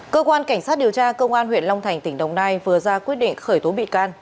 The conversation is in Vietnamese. cơ quan cảnh sát điều tra công an huyện long thành tỉnh đồng nai vừa ra quyết định khởi tố bị can